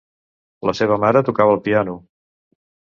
La seva mare tocava el piano.